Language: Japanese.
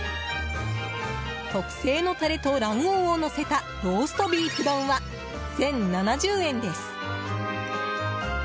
特製のタレと卵黄をのせたローストビーフ丼は１０７０円です。